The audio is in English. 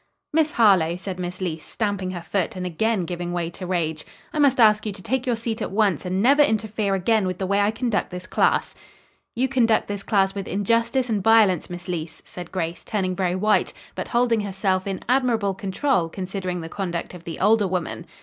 "Miss Harlowe," said Miss Leece, stamping her foot, and again giving way to rage, "I must ask you to take your seat at once and never interfere again with the way I conduct this class." "You conduct this class with injustice and violence, Miss Leece," said Grace, turning very white, but holding herself in admirable control considering the conduct of the older woman.